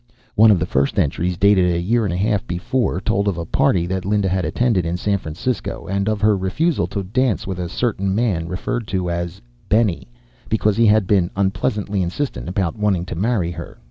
One of the first entries, dated a year and a half before, told of a party that Linda had attended in San Francisco, and of her refusal to dance with a certain man, referred to as "Benny," because he had been unpleasantly insistent about wanting to marry her.